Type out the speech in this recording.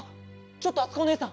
ちょっとあつこおねえさん！